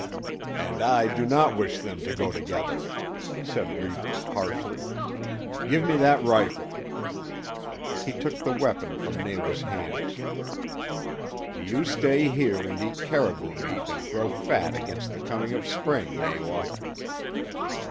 "And I do not wish them to go together," said Reivers harshly. "Give me that rifle." He took the weapon from Nawa's hands. "Do you stay here and eat caribou meat and grow fat against the coming of Spring, Nawa."